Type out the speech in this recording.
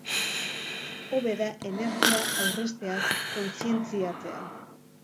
Hobe da energia aurrezteaz kontzientziatzea.